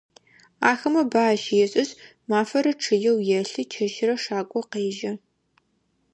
Ахэмэ бы ащешӏышъ, мафэрэ чъыеу елъы, чэщырэ шакӏо къежьэ.